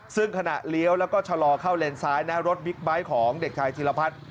ซึ่งขณะเลี้ยวแล้วก็ชะลอเข้าเลนซ้ายนะรถบิ๊กไบท์ของเด็กชายธีรพัฒน์